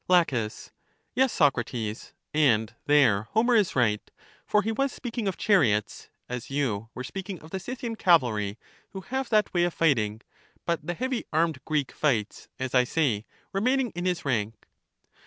La, Yes, Socrates, and there Homer is right; for he was speaking of chariots, as you were speaking of the Scythian cavalry, who have that way of fighting; but the heavy armed Greek fights, as I say, remain ing in his rank.